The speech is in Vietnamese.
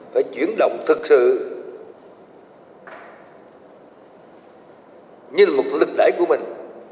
phải chuyển động thực sự như là một lực lãi của mình